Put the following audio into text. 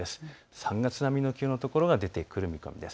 ３月並みの気温の所が出てくる見込みです。